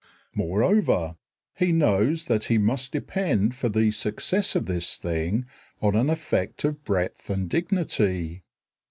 Moreover, he knows that he must depend for the success of this thing on an effect of breadth and dignity.